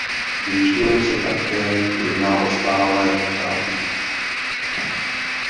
Většinou se také jedná o stálé ptáky.